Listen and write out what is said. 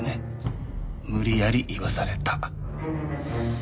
無理やり言わされた。